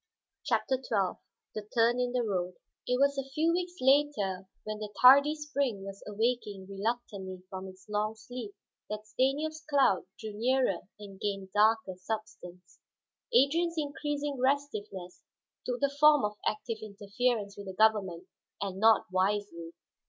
CHAPTER XII THE TURN IN THE ROAD It was a few weeks later, when the tardy spring was awaking reluctantly from its long sleep, that Stanief's cloud drew nearer and gained darker substance. Adrian's increasing restiveness took the form of active interference with the government, and not wisely.